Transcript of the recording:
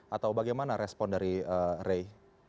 atau bagaimana respon dari rey